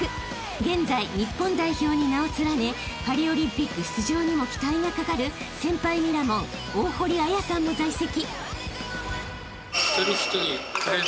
［現在日本代表に名を連ねパリオリンピック出場にも期待がかかる先輩ミラモン大堀彩さんも在籍］